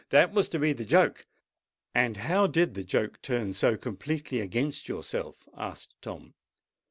That was to be the joke." "And how did the joke turn so completely against yourself?" asked Tom.